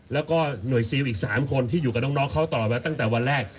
แล้วก็หน่วยซิลอีก๓คนที่อยู่กับน้องเขาต่อมาตั้งแต่วันแรก